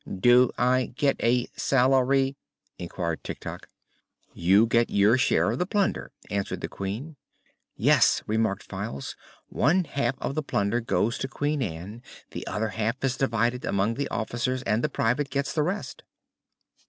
"Do I get a salary?" inquired Tik Tok. "You get your share of the plunder," answered the Queen. "Yes," remarked Files, "one half of the plunder goes to Queen Ann, the other half is divided among the officers, and the Private gets the rest."